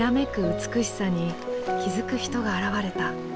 美しさに気付く人が現れた。